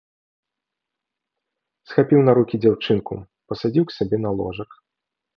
Схапіў на рукі дзяўчынку, пасадзіў к сабе на ложак.